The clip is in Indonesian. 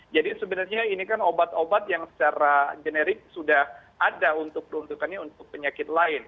jadi sebenarnya ini kan obat obat yang secara generik sudah ada untuk peruntukannya untuk penyakit lain